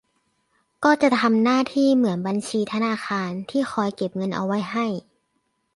ก็จะทำหน้าที่เหมือนบัญชีธนาคารที่คอยเก็บเงินเอาไว้ให้